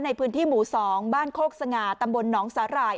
ในพื้นที่หมู่๒บ้านโคกสง่าตำบลหนองสาหร่าย